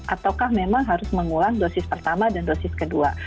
ataukah memang harus mengulang dosis pertama dan dosis kedua